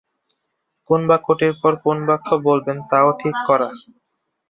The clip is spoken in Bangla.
কোন বাক্যটির পর কোন বাক্য বলবেন তাও ঠিক করা।